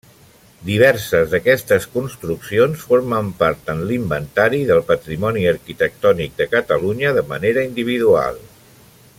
Diverses d'aquestes construccions formen part en l'Inventari del Patrimoni Arquitectònic de Catalunya de manera individual.